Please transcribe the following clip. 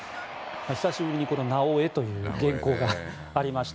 久しぶりに「なおエ」という原稿がありました。